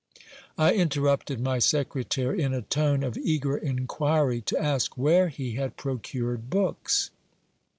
I interrupted my secretary in a tone of eager inquiry, to ask where he had procured books.